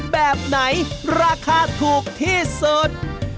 แบบไหนราคาถูกที่สุด